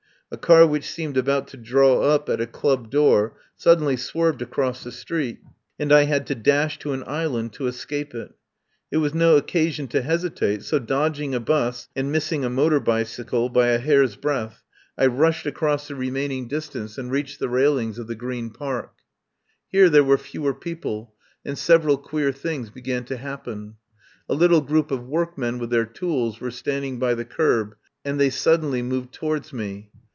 A car which seemed about to draw up at a club door suddenly swerved across the street, and I had to dash to an island to escape it It was no occasion to hesitate, so, dodging a bus and missing a motor bicycle by a hair's breadth, I rushed across the remaining dis 176 I FIND SANCTUARY tance and reached the railings of the Green Park. Here there were fewer people, and several queer things began to happen. A little group of workmen with their tools were standing by the kerb, and they suddenly moved towards me.